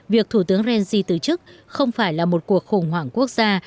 việc thủ tướng rensi từ chức không phải là một cuộc khủng hoảng quốc gia